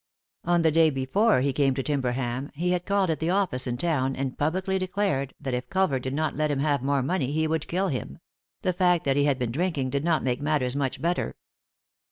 On the day before he came to Timberham he had called at the office in town and publicly declared that if Culver did not let him have more money he would kill him ; the fact that he had been drinking did not make matters much better.